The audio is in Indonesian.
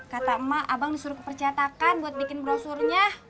kata emak abang disuruh kepercatakan buat bikin brosurnya